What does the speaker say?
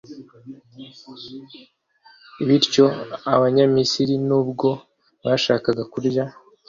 bityo abanyamisiri, n'ubwo bashakaga kurya